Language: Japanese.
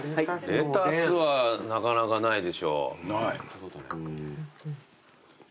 レタスはなかなかないでしょ。